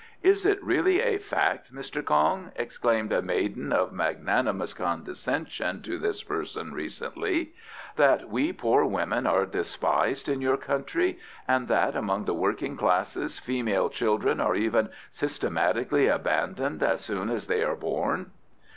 "Is it really a fact, Mr. Kong," exclaimed a maiden of magnanimous condescension, to this person recently, "that we poor women are despised in your country, and that among the working classes female children are even systematically abandoned as soon as they are born?"